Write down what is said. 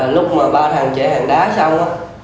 lúc mà ba thằng chạy hàng đá xong